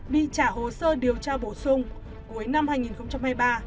bị trả hồ sơ điều tra bổ sung cuối năm hai nghìn hai mươi ba